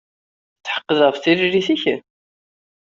Tetḥeqqeḍ ɣef tririt-ik?